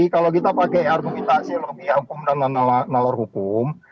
kalau kita pakai argumentasi lebih hukum dan nalar hukum